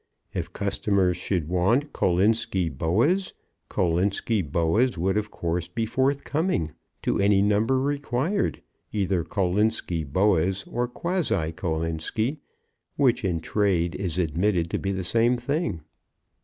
If customers should want Kolinski Boas, Kolinski Boas would of course be forthcoming, to any number required; either Kolinski Boas, or quasi Kolinski, which in trade is admitted to be the same thing.